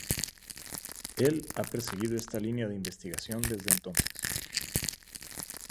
Él ha perseguido esta línea de investigación desde entonces.